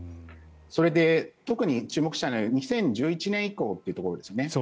それで、特に注目したいのは２０１１年以降というところですね。